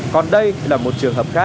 còn đây là một trường hợp khác